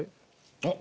あっ。